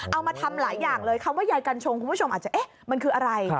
เอามาทำหลายอย่างเลยคำว่ายายกัญชงคุณผู้ชมอาจจะเอ๊ะมันคืออะไร